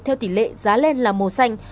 theo tỷ lệ giá lên là màu xanh